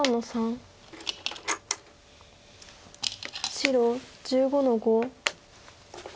白１５の五。